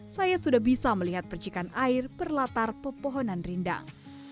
saya sudah bisa melihat percikan air berlatar pepohonan rindang